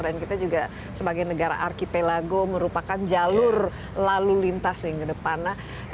dan kita juga sebagai negara archipelago merupakan jalur lalu lintas yang ke depan